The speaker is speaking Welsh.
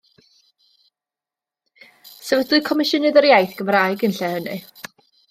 Sefydlwyd Comisiynydd yr Iaith Gymraeg yn lle hynny.